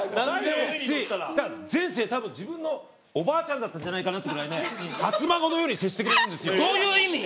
前世は自分のおばあちゃんだったんじゃないかなってぐらい初孫のように接してくれるんですよ。